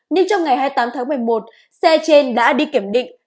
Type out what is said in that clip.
nhưng trong ngày hai mươi tám tháng một mươi một xe trên đã đi kiểm định